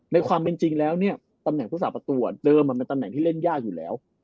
ในความเป็นจริงแล้วเนี่ยตำแหน่งผู้สาประตูเดิมมันเป็นตำแหน่งที่เล่นยากอยู่แล้ว